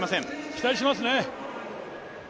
期待してますね。